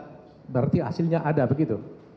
itu confirm berarti hasilnya ada begitu